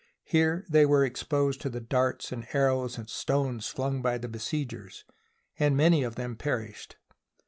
Here they were exposed to the darts and ar rows and stones flung by the besiegers, and many of them perished.